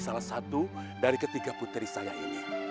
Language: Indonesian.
salah satu dari ketiga putri saya ini